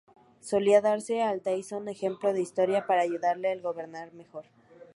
Solía darle a Taizong ejemplos de historia para ayudarle a gobernar mejor.